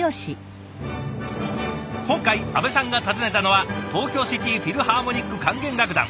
今回阿部さんが訪ねたのは東京シティ・フィルハーモニック管弦楽団。